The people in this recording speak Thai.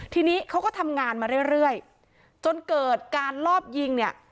ทีนี้เขาก็ทำงานมาเรื่อยจนเกิดการลอบยิงเนี่ย